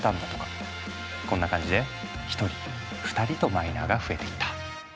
こんな感じで１人２人とマイナーが増えていった。